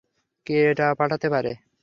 কে এটা পাঠাতে পারে?